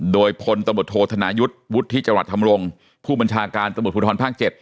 โดยพลตำรวจโทษธนายุทธ์วุฒิจรัสธรรมรงค์ผู้บัญชาการตำรวจภูทรภาค๗